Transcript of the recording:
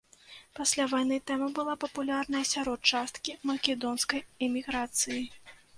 Пасля вайны тэма была папулярная сярод часткі македонскай эміграцыі.